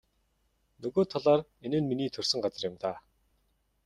Нөгөө талаар энэ нь миний төрсөн газар юм даа.